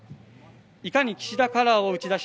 いかに岸田カラーを打ち出し